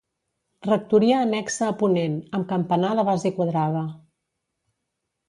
Rectoria annexa a ponent amb campanar de base quadrada.